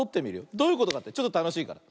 どういうことかってちょっとたのしいから。